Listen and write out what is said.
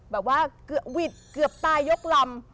แบบว่าวิดเกือบตายยกลำ